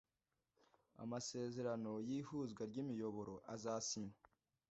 Amasezerano y ihuzwa ry imiyoboro azasinywa